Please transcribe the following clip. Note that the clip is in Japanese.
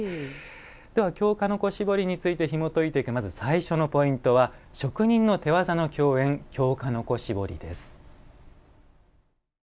京鹿の子絞りについてひもといていく最初のポイントは「職人の手わざの競演京鹿の子絞り」です。